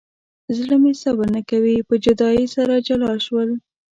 زړه مې صبر نه کوي په جدایۍ سره جلا شول.